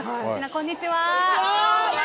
こんにちは。